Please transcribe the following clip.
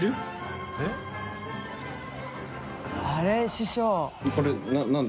師匠。